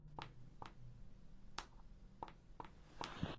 马上冲上车